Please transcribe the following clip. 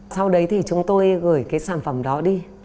sau đấy thì chúng tôi gửi cái sản phẩm đó đi